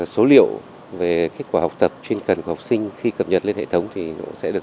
số liệu về kết quả học tập chuyên cần của học sinh khi cập nhật lên hệ thống thì nó sẽ được